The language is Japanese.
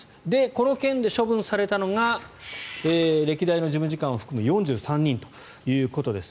この件で処分されたのが歴代の事務次官を含む４３人ということです。